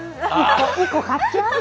１個買っちゃう？